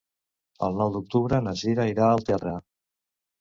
El nou d'octubre na Cira irà al teatre.